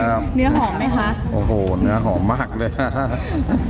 เนื้อหอมไหมคะโอ้โหเนื้อหอมมากเลย